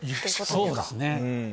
そうですね。